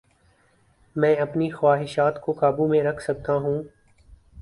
میں اپنی خواہشات کو قابو میں رکھ سکتا ہوں